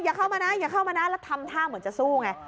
อย่าเข้ามาแน่แล้วทำท่าเหมือนจะสู้ไง